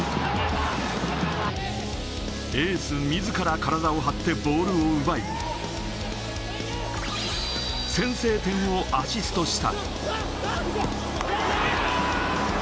エース自ら体を張ってボールを奪い、先制点をアシストした。